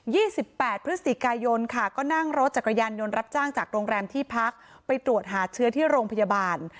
ี่สิบแปดพฤศจิกายนค่ะก็นั่งรถจักรยานยนต์รับจ้างจากโรงแรมที่พักไปตรวจหาเชื้อที่โรงพยาบาล